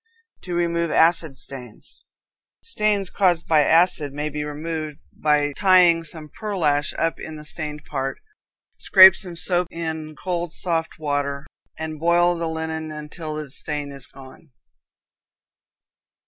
To Remove Acid Stains. Stains caused by acids may be removed by tying some pearlash up in the stained part; scrape some soap in cold, soft water, and boil the linen until the stain is gone.